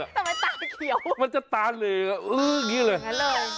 ทำไมตาเขียวมันจะตาเลยเออแบบนี้เลย